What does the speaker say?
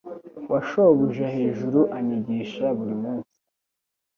wa shobuja hejuru anyigisha buri munsi